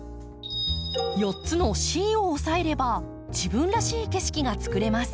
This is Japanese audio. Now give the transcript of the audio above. ４つのＣを押さえれば自分らしい景色がつくれます。